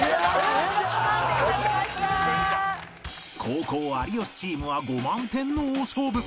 後攻有吉チームは５万点の大勝負